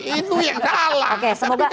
itu yang salah